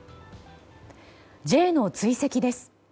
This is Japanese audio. Ｊの追跡です。